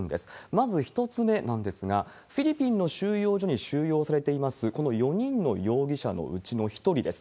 まず１つ目なんですが、フィリピンの収容所に収容されています、この４人の容疑者のうちの一人です。